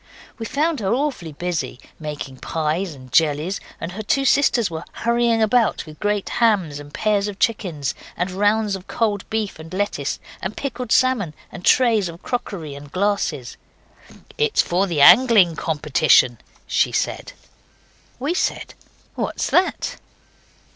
We found her awfully busy, making pies and jellies, and her two sisters were hurrying about with great hams, and pairs of chickens, and rounds of cold beef and lettuces, and pickled salmon and trays of crockery and glasses. 'It's for the angling competition,' she said. We said, 'What's that?